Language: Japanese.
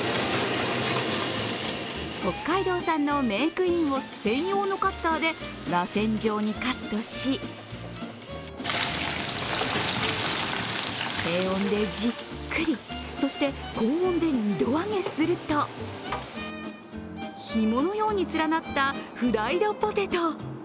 北海道産のメークイーンを専用のカッターでらせん状にカットし低温でじっくり、そして高温で２度揚げすると、ひものように連なったフライドポテト。